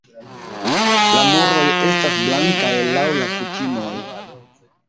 La muroj estas blankaj laŭ la kutimoj.